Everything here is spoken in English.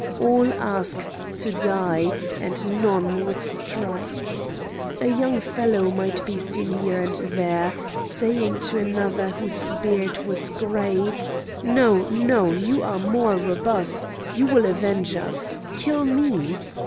All asked to die, and none would strike. A young fellow might be seen here and there, saying to another whose beard was grey: "No! no! you are more robust! you will avenge us, kill me!"